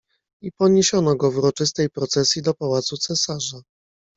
"I poniesiono go w uroczystej procesji do pałacu cesarza."